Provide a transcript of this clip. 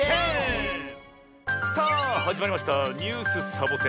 １０！さあはじまりました「ニュースサボ１０」。